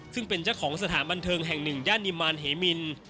ซึ่งเป็นเจ้าของสถานบันเทิงแห่งหนึ่งย่านนิมานเฮมิน